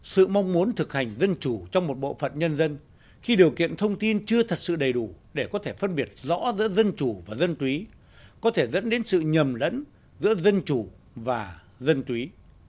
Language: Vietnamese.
sự mong muốn thực hành dân chủ trong một bộ phận nhân dân khi điều kiện thông tin chưa thật sự đầy đủ để có thể phân biệt rõ giữa dân chủ và dân túy có thể dẫn đến sự nhầm lẫn giữa dân chủ và dân túy